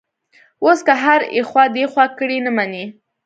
اوس که هر ایخوا دیخوا کړي، نه مني.